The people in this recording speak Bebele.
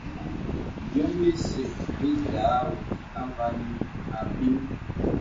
Bīòm bìsə bítà àvāŋhī àbīm.